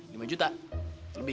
lima juta lebih